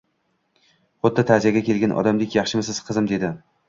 Xuddi ta’ziyaga kelgan odamdek, Yaxshimisiz, qizim, dedi